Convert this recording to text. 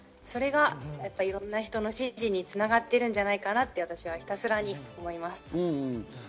それがいろんな人の支持に繋がっているんじゃないかなと私はひたすらに思います。